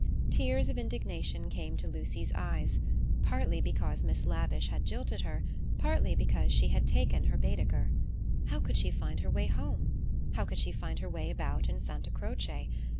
Tears of indignation came to Lucy's eyes partly because Miss Lavish had jilted her, partly because she had taken her Baedeker. How could she find her way home? How could she find her way about in Santa Croce?